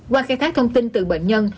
qua khai thác thông tin từ bệnh nhân